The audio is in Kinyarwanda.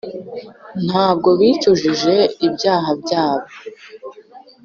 nta bwo bicujije ibyaha byabo,